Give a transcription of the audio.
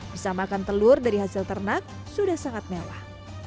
bisa makan telur dari hasil ternak sudah sangat mewah